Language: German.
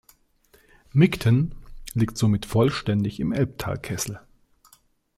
Mickten liegt somit vollständig im Elbtalkessel.